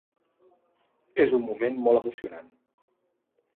És un moment molt emocionant.